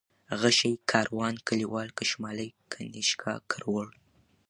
غشى ، کاروان ، کليوال ، کشمالی ، كنيشكا ، کروړ